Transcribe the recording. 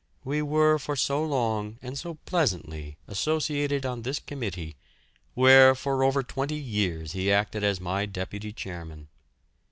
We were for so long, and so pleasantly associated on this committee, where for over twenty years he acted as my deputy chairman.